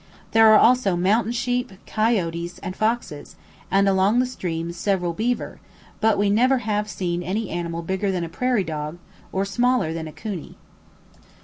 There are also mountain sheep, coyotes, and foxes, and along the streams several beaver; but we never have seen any animal bigger than a prairie dog, or smaller than a coney.